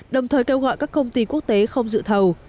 đồng thời kêu gọi các công ty quốc tế không dự thầu